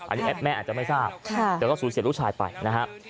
อันนี้แอปแม่อาจจะไม่ทราบเดี๋ยวก็สูญเสียลูกชายไปนะครับ